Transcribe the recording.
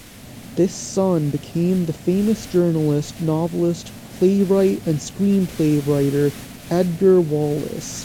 This son became the famous journalist, novelist, playwright and screenplay writer Edgar Wallace.